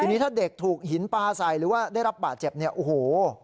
ทีนี้ถ้าเด็กถูกหินปลาใส่หรือว่าได้รับบาดเจ็บเนี่ยโอ้โห